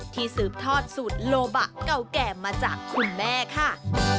สืบทอดสูตรโลบะเก่าแก่มาจากคุณแม่ค่ะ